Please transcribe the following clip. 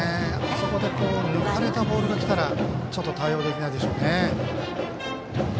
あそこで抜かれたボールが来たら対応できないでしょうね。